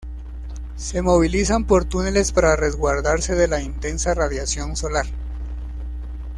Se movilizan por túneles para resguardarse de la intensa radiación solar.